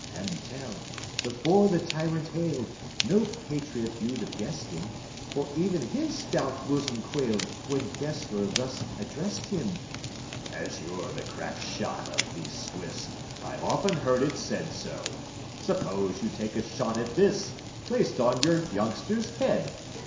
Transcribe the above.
And Tell, before the tyrant hailed, No patriot you'd have guessed him, For even his stout bosom quailed When Gessler thus addressed him: "As you're the crack shot of these Swiss (I've often heard it said so), Suppose you take a shot at this, Placed on your youngster's head so!"